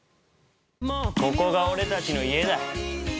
ここが俺たちの家だ。